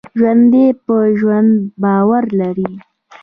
ژوندي په ژوند باور لري